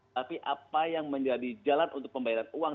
tapi apa yang menjadi jalan untuk pembayaran uang